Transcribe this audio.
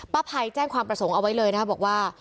ภัยแจ้งความประสงค์เอาไว้เลยนะครับบอกว่า